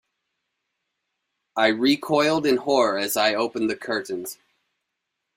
I recoiled in horror as I opened the curtains.